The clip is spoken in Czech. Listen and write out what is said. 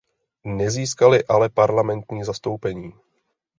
Nezískali ale parlamentní zastoupení.